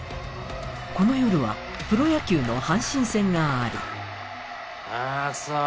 この夜はプロ野球の阪神戦がありああ